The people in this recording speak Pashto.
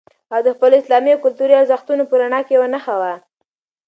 هغه د خپلو اسلامي او کلتوري ارزښتونو په رڼا کې یوه نښه وه.